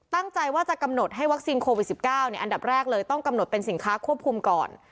ตั้งใจว่าจะกำหนดให้วัคซีนโควิด๑๙อันดับแรกเลยต้องกำหนดเป็นสินค้าควบคุมก่อน